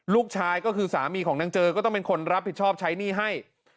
ลูกชายก็คือสามีของนางเจอก็ต้องเป็นคนรับผิดชอบใช้หนี้ให้